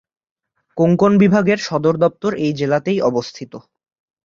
কোঙ্কণ বিভাগের সদর দপ্তর এই জেলাতেই অবস্থিত।